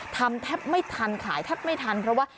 ทำแทบไม่ทันขายแทบไม่ทันเพราะว่า